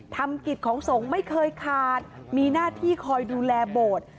กิจของสงฆ์ไม่เคยขาดมีหน้าที่คอยดูแลโบสถ์